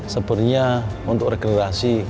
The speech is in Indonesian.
sebenernya untuk regenerasi